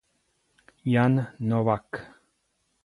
Jan Novák